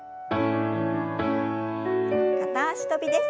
片脚跳びです。